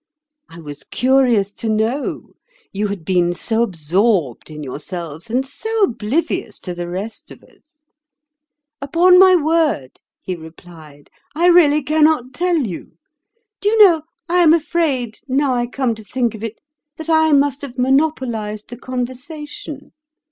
I was curious to know; you had been so absorbed in yourselves and so oblivious to the rest of us. 'Upon my word,' he replied, 'I really cannot tell you. Do you know, I am afraid, now I come to think of it, that I must have monopolised the conversation.